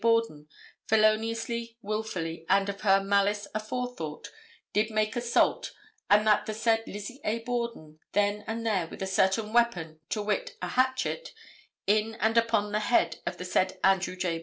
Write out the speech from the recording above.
Borden, feloniously, willfully and of her malice aforethought, did make assault and that the said Lizzie A. Borden, then and there with a certain weapon, to wit, a hatchet, in and upon the head of the said Andrew J.